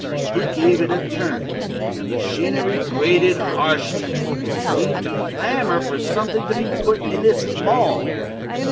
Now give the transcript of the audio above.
He gave it a turn: the machinery grated harshly, and seemed to clamor for something to be put in its maw.